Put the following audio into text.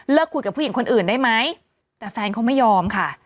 คุยกับผู้หญิงคนอื่นได้ไหมแต่แฟนเขาไม่ยอมค่ะ